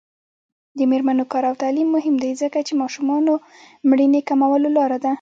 د میرمنو کار او تعلیم مهم دی ځکه چې ماشومانو مړینې کمولو لاره ده.